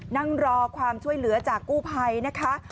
นั่งรอความช่วยเหลือจากกู้ภัยนะคะ